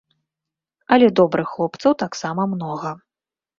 Але добрых хлопцаў таксама многа.